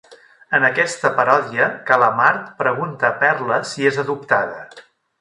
En aquesta paròdia, Calamard pregunta a Perla si és adoptada.